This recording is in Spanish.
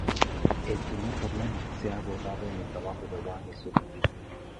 El primer problema se ha abordado en el trabajo de Wang y Suter.